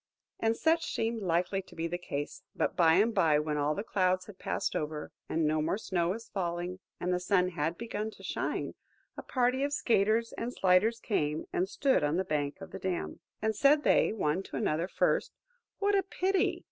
And such seemed likely to be the case; but by and by, when all the clouds had passed over, and no more snow was falling, and the sun had begun to shine, a party of skaters and sliders came and stood on the bank of the dam. And said they one to another,–first, "What a pity!"